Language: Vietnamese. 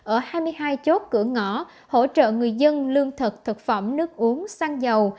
ở hai mươi hai chốt cửa ngõ hỗ trợ người dân lương thực thực phẩm nước uống xăng dầu